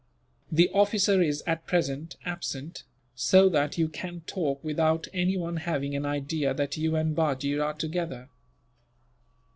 The officer is, at present, absent; so that you can talk without anyone having an idea that you and Bajee are together."